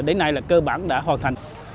đến nay là cơ bản đã hoàn thành